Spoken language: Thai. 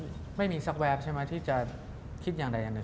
คือไม่มีสักแวบใช่ไหมที่จะคิดอย่างใดอย่างหนึ่ง